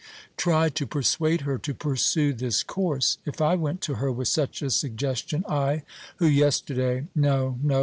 Try to persuade her to pursue this course. If I went to her with such a suggestion, I, who yesterday No, no!